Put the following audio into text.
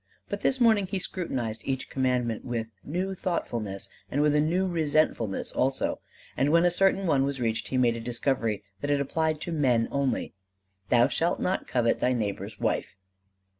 But this morning he scrutinized each Commandment with new thoughtfulness and with a new resentfulness also; and when a certain one was reached he made a discovery that it applied to men only: "Thou shalt not covet thy neighbor's wife."